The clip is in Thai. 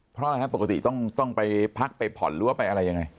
เพราะอะไรครับปกติต้องไปพักไปผ่อนหรือว่าไปอะไรยังไง